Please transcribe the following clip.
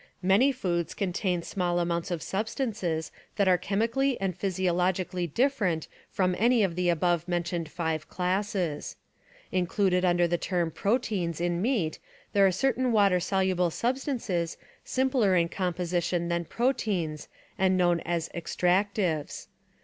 Many foods con tain small amounts of substances that are chemically and physiologically 10 different from any of the above mentioned five classes. Included under the term "proteins" in meat there are certain water soluble substances simpler in composition than proteins and known as extractives.